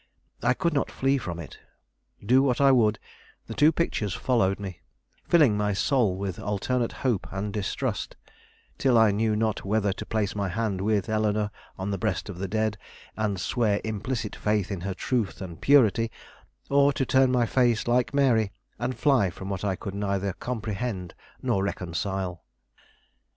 I could not flee from it. Do what I would, the two pictures followed me, filling my soul with alternate hope and distrust, till I knew not whether to place my hand with Eleanore on the breast of the dead, and swear implicit faith in her truth and purity, or to turn my face like Mary, and fly from what I could neither comprehend nor reconcile.